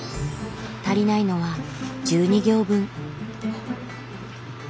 足りないのは１２行分。